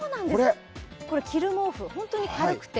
これ、着る毛布、本当に軽くて。